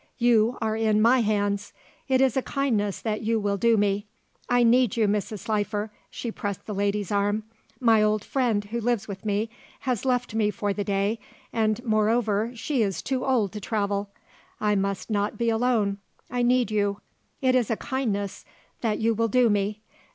You are in my hands. It is a kindness that you will do me. I need you, Mrs. Slifer," she pressed the lady's arm. "My old friend, who lives with me, has left me for the day, and, moreover, she is too old to travel. I must not be alone. I need you. It is a kindness that you will do me.